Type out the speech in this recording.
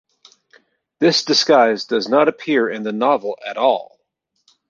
This disguise does not appear in the novel at all.